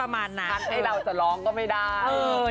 ให้เราจะร้องก็ไม่ได้